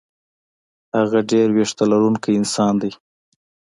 هغه ډېر وېښته لرونکی انسان دی.